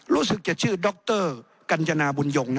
รู้สึกจะชื่อด็อกเตอร์กัญจนาบุญยง